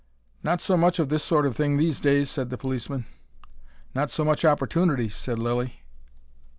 "Not so much of this sort of thing these days," said the policeman. "Not so much opportunity," said Lilly.